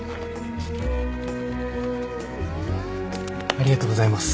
ありがとうございます。